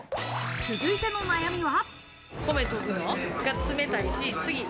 続いての悩みは。